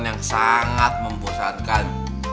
yang sangat membosankan